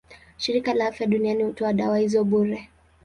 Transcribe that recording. Shirika la Afya Duniani hutoa dawa hizo bure.